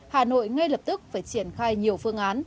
hà nội ngay lập tức phải triển khai nhiều phương án